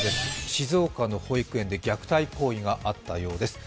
静岡の保育園で虐待行為があったようです。